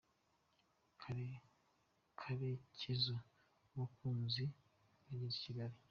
Karecyezu na mukunzi bageze i Kigali